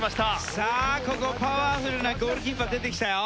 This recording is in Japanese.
さあここパワフルなゴールキーパー出てきたよ。